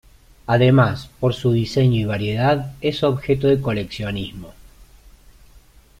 Además, por su diseño y variedad es objeto de coleccionismo.